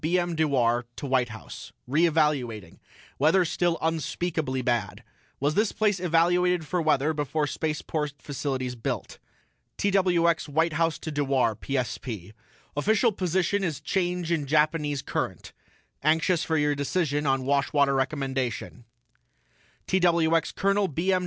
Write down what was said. B. M. DEWAR TO WHITE HOUSE: RE EVALUATING WEATHER STILL UNSPEAKABLY BAD WAS THIS PLACE EVALUATED FOR WEATHER BEFORE SPACEPORT FACILITIES BUILT TWX WHITE HOUSE TO DEWAR PSP: OFFICIAL POSITION IS CHANGE IN JAPANESE CURRENT ANXIOUS FOR YOUR DECISION ON WASHWATER RECOMMENDATION TWX COL. B. M.